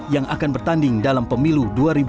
yang akan bertanding dalam pemilu dua ribu dua puluh